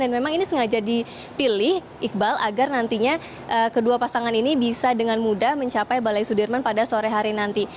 dan memang ini sengaja dipilih iqbal agar nantinya kedua pasangan ini bisa dengan mudah mencapai balai sudirman pada sore hari nanti